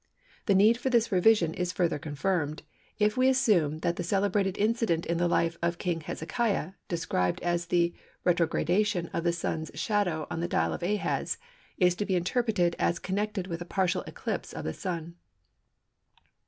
The need for this revision is further confirmed, if we assume that the celebrated incident in the life of King Hezekiah, described as the retrogradation of the Sun's shadow on the dial of Ahaz, is to be interpreted as connected with a partial eclipse of the Sun.